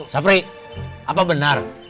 sapri apa benar